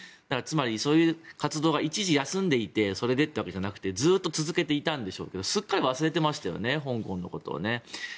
つまり、そういう活動が一時休んでいてそれでというわけじゃなくてずっと続けていたんでしょうけどすっかり忘れていましたよね香港のことをね。